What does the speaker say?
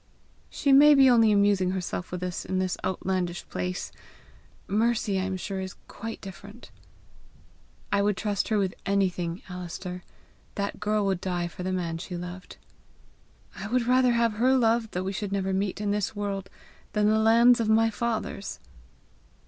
"She may be only amusing herself with us in this outlandish place! Mercy, I am sure, is quite different!" "I would trust her with anything, Alister. That girl would die for the man she loved!" "I would rather have her love, though we should never meet in this world, than the lands of my fathers!"